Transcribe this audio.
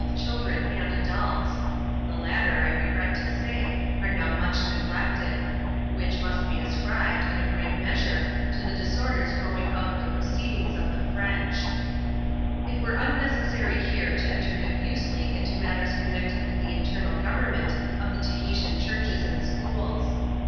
xLvm.] TAHITI AS IT IS, 18S dren and adults ; the latter, I regret to say, are now much neglected ; which must be ascribed, in a great measure, to the disorders growing out of the proceedings of the French. It were unnecessary here to enter diffusely into matters coa nected with the internal government of the Taliitian churches and schools.